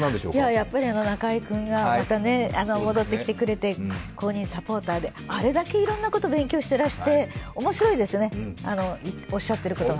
やっぱり中居君が戻ってきてくれて、公認サポーターであれだけいろんなこと勉強されていて面白いですよね、おっしゃっていることが。